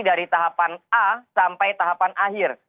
dari tahapan a sampai tahapan akhir